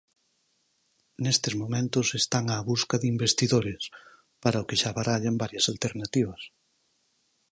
Nestes momentos están á busca de investidores, para o que xa barallan varias alternativas.